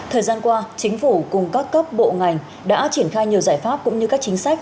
thời gian qua chính phủ cùng các cấp bộ ngành đã triển khai nhiều giải pháp cũng như các chính sách